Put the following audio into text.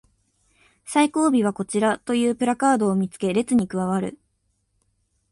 最後尾はこちらというプラカードを見つけ列に加わる